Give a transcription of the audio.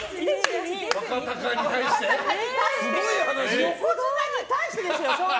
将来の横綱に対してですよ。